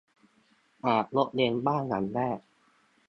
อาจยกเว้นบ้านหลังแรก